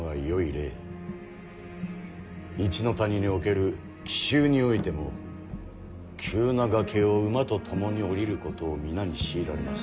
一ノ谷における奇襲においても急な崖を馬と共に下りることを皆に強いられました。